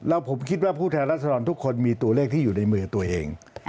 แล้วผมคิดว่าผู้แทนรัศดรทุกคนมีตัวเลขที่อยู่ในมือตัวเอง